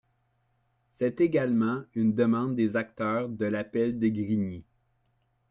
C’est également une demande des acteurs de l’appel de Grigny.